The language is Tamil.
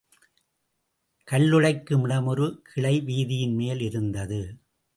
கல்லுடைக்கும் இடம் ஒரு கிளை வீதியின் மேல் இருந்தது.